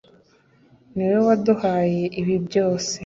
niwowe waduhaye ibi byose